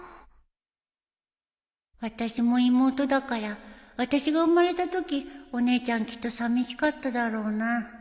私も妹だから私が生まれたときお姉ちゃんきっとさみしかっただろうな